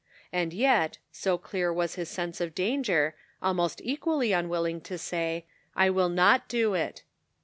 And yet, so clear was his sense of danger, almost equally unwilling to say, " I will not do it."